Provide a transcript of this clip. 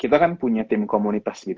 kita kan punya tim komunitas gitu